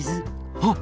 あっ！